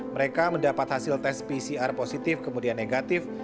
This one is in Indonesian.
mereka mendapat hasil tes pcr positif kemudian negatif